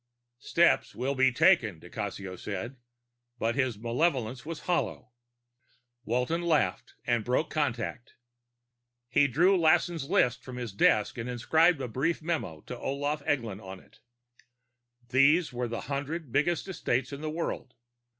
"Steps will be taken," di Cassio said. But his malevolence was hollow. Walton laughed and broke contact. He drew Lassen's list from his desk and inscribed a brief memo to Olaf Eglin on it. These were the hundred biggest estates in the world.